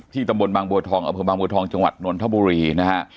ตำบลบางบัวทองอำเภอบางบัวทองจังหวัดนนทบุรีนะฮะ